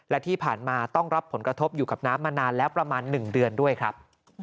และที่ผ่านมาต้องรับผลกระทบอยู่กับน้ำมานานแล้วประมาณ๑เดือนด้วยครับ